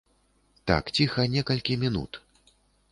Так ціха некалькі мінут.